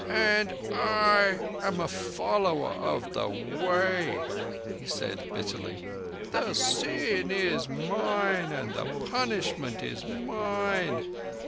"And I am a Follower of the Way," he said bitterly. "The sin is mine and the punishment is mine.